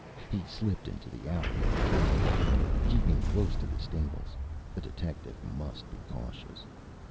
He slipped into the alley and glided down it, keeping close to the stables. A detective must be cautious.